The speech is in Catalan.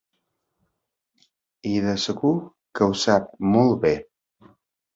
I de segur que ho sap molt bé.